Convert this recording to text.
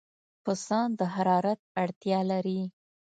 پسه د حرارت اړتیا لري.